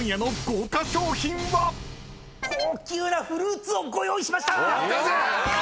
高級なフルーツをご用意しました！